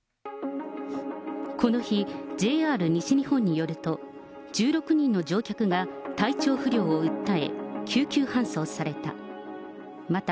この日、ＪＲ西日本によると、１６人の乗客が体調不良を訴え、救急搬送された。